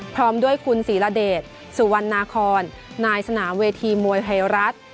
พร้อมด้วยคุณศรีระเดชสุวรรณาคอนนายสนามเวทีมวยไทยรัฐ